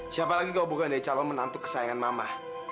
siapa lagi yang gabungin dari calon menantu kesayangan mama